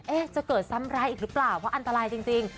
จะเกิดซ้ำร้ายอีกหรือเปล่าเพราะอันตรายจริง